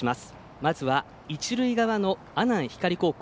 まずは一塁側の阿南光高校。